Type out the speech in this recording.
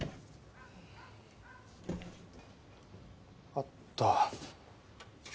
あった。